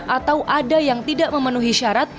atau ada yang tidak memenuhi syarat